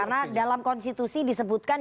karena dalam konstitusi disebutkan